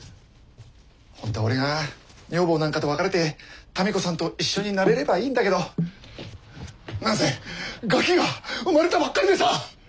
ホントは俺が女房なんかと別れて民子さんと一緒になれればいいんだけど何せガキが生まれたばっかりでさ。